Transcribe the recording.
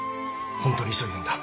本当に急いでんだ。